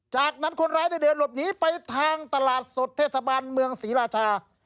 จากนั้นคนร้ายได้เดินหลบหนีไปทางตลาดสดเทศบาลเมืองศรีราชา